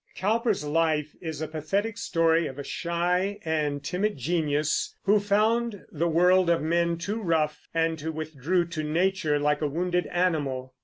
Cowper's life is a pathetic story of a shy and timid genius, who found the world of men too rough, and who withdrew to nature like a wounded animal.